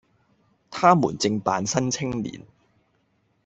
他們正辦《新青年》，